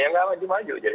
ya enggak maju maju